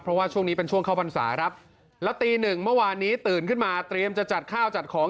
เพราะว่าช่วงนี้เป็นช่วงเข้าพรรษาครับแล้วตีหนึ่งเมื่อวานนี้ตื่นขึ้นมาเตรียมจะจัดข้าวจัดของ